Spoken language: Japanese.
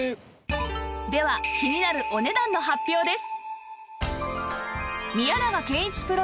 では気になるお値段の発表です